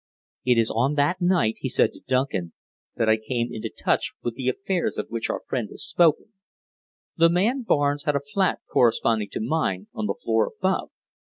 "It is on that night," he said to Duncan, "that I come into touch with the affairs of which our friend has spoken. The man Barnes had a flat corresponding to mine on the floor above.